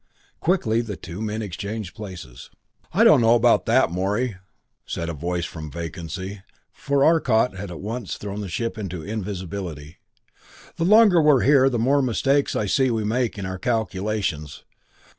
Quickly the two men exchanged places. "I don't know about that, Morey," said a voice from vacancy, for Arcot had at once thrown the ship into invisibility. "The longer we're here, the more mistakes I see we made in our calculations.